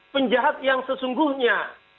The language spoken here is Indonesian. penjahat yang sesungguhnya